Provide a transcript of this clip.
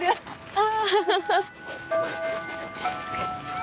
あ。